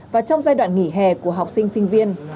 và trong giai đoạn nghỉ hè của học sinh sinh viên